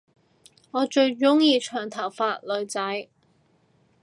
我最鐘意長頭髮女仔